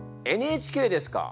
「ＮＨＫ」ですか。